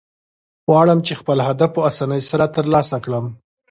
غواړم، چي خپل هدف په آساني سره ترلاسه کړم.